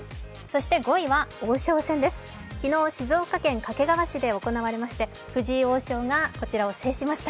５位は王将戦です、昨日、静岡県掛川市で行われまして藤井王将がこちらを制しました。